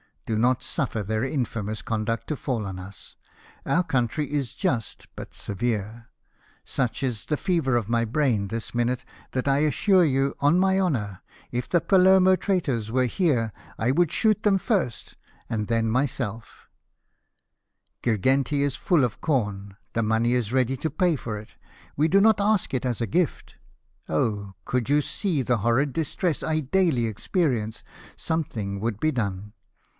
Do not suffer their infamous conduct to fall on us. Our country is just, but severe. Such is the fever of my brain this minute that I assure you on my honour, if the Palermo traitors were here I would shoot them first and then myself Girgenti is full of corn ; the money is ready to pay for it ; we do not ask it as a gift. Oh ! could you see the horrid distress I daily experience something would be done